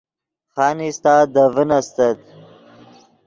خانیستہ دے ڤین استت